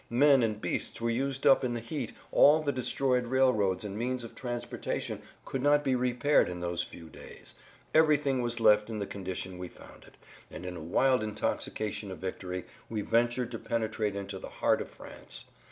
Men and beasts were used up in the heat; all the destroyed railroads and means of transportation could not be repaired in those few days; everything was left in the condition we found it; and in a wild intoxication of victory we ventured to penetrate into the heart of France.